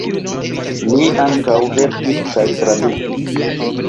Li ankaŭ verkis kaj tradukis.